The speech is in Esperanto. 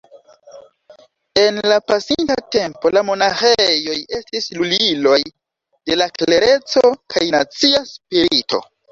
En la pasinta tempo, la monaĥejoj estis luliloj de la klereco kaj nacia spirito.